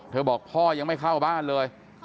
บอกพ่อยังไม่เข้าบ้านเลย